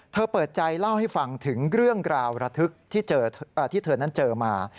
เปิดใจเล่าให้ฟังถึงเรื่องราวระทึกที่เธอนั้นเจอมา